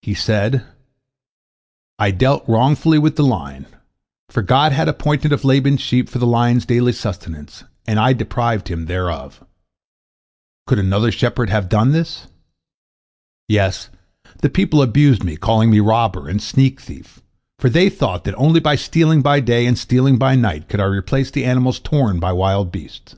He said: "I dealt wrongfully with the lion, for God had appointed of Laban's sheep for the lion's daily sustenance, and I deprived him thereof. Could another shepherd have done thus? Yes, the people abused me, calling me robber and sneak thief, for they thought that only by stealing by day and stealing by night could I replace the animals torn by wild beasts.